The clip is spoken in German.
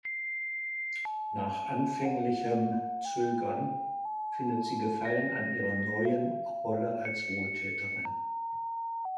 Nach anfänglichem Zögern findet sie Gefallen an ihrer neuen Rolle als Wohltäterin.